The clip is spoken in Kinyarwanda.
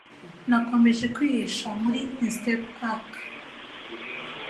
Nakomeje kwihisha muri instep arch